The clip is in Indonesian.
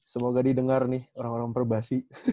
semoga didengar nih orang orang perbasi